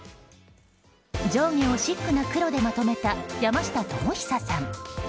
上下をシックな黒でまとめた山下智久さん。